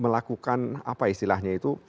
melakukan apa istilahnya itu